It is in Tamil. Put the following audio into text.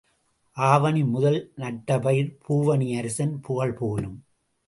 ஆவணி முதல் நட்ட பயிர் பூவணி அரசன் புகழ் போலும்.